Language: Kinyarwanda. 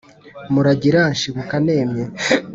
muragira nshibuka nemye